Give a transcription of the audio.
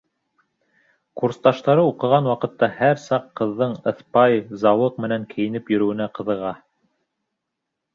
Курсташтары уҡыған ваҡытта һәр саҡ ҡыҙҙың ыҫпай, зауыҡ менән кейенеп йөрөүенә ҡыҙыға.